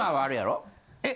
えっ？